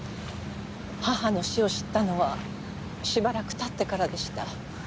母の死を知ったのはしばらく経ってからでした。